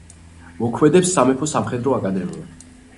მოქმედებს სამეფო სამხედრო აკადემია.